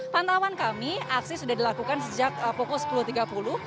pantauan kami aksi sudah dilakukan sejak pukul sepuluh tiga puluh